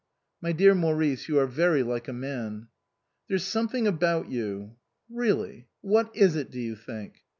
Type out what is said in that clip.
" My dear Maurice, you are very like a man." " There's something about you "" Really ? What is it, do you think